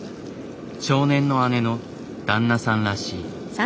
少年の姉の旦那さんらしい。